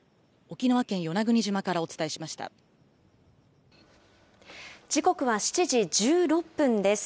沖縄県与那国島からお伝えしまし時刻は７時１６分です。